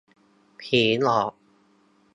ผีหลอก !